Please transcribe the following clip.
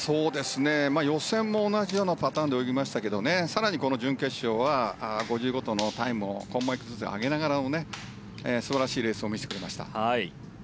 予選も同じようなパターンで泳ぎましたけど更に、この準決勝は５０ごとのタイムをコンマ１ずつ上げながらの素晴らしいレースを見せてくれました。